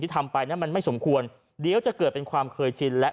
ทำไปนั้นมันไม่สมควรเดี๋ยวจะเกิดเป็นความเคยชินและ